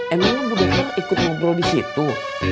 emangnya bu dokter ikut ngobrol di situ